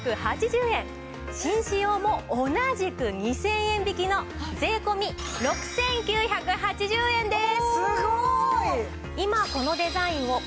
紳士用も同じく２０００円引きの税込６９８０円です！